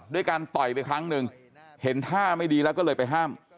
ด้วยการต่อยไปครั้งหนึ่งเห็นท่าไม่ดีแล้วก็เลยไปห้าม